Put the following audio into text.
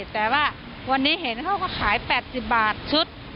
แต่ว่าวันนี้เห็นเขาก็ขาย๘๐บาทชุด